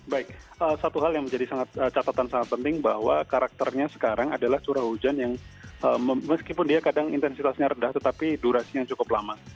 baik satu hal yang menjadi catatan sangat penting bahwa karakternya sekarang adalah curah hujan yang meskipun dia kadang intensitasnya rendah tetapi durasinya cukup lama